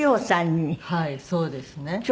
はいそうですね。